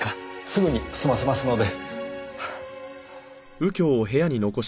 すぐに済ませますので。